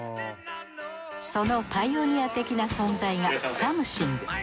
そのパイオニア的な存在がサムシング。